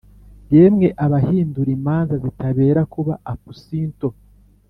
Yemwe abahindura imanza zitabera kuba apusinto